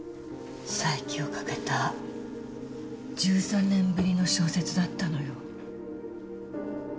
再起をかけた１３年ぶりの小説だったのよ。